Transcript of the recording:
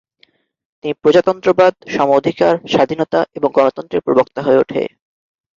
তিনি প্রজাতন্ত্রবাদ, সম অধিকার, স্বাধীনতা এবং গণতন্ত্রের প্রবক্তা হয়ে ওঠে।